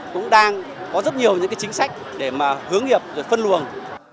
cũng đang có rất nhiều những chính sách để hướng nghiệp và phân luồng